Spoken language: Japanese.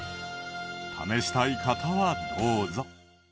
試したい方はどうぞ。